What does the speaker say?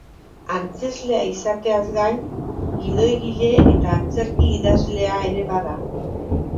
Antzezlea izateaz gain, gidoigile eta antzerki-idazlea ere bada.